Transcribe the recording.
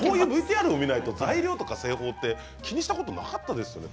ＶＴＲを見なければ材料や製法とか気にしたことなかったですよね。